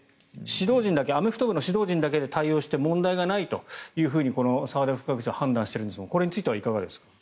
アメフト部の指導陣だけで対応して問題がないというふうに澤田副学長は判断していますがこれについてはいかがですか。